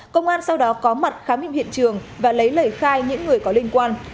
công an sau đó có mặt khám nghiệm hiện trường và lấy lời khai những người có liên quan